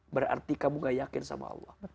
berarti kamu gak yakin sama allah